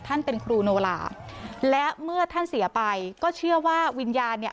เป็นครูโนลาและเมื่อท่านเสียไปก็เชื่อว่าวิญญาณเนี่ย